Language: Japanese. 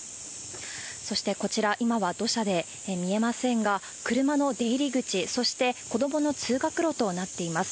そしてこちら、今は土砂で見えませんが、車の出入り口、そして子どもの通学路となっています。